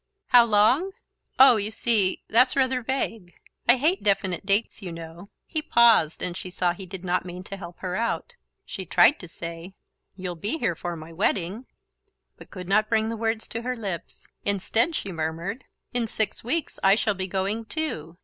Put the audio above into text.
"How long? Oh, you see ... that's rather vague...I hate definite dates, you know..." He paused and she saw he did not mean to help her out. She tried to say: "You'll be here for my wedding?" but could not bring the words to her lips. Instead she murmured: "In six weeks I shall be going too..."